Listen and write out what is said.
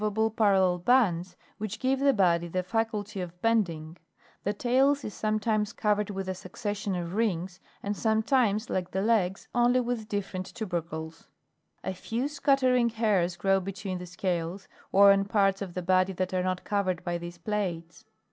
95 parallel bands, which give the body the faculty of bending; the tail is sometimes covered with a succession of rings; and some times, like the legs, only with different tubercles ; a few scatter ing hairs grow between the scales, or on parts of the body that are not covered by these plates.